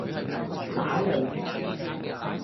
乸脷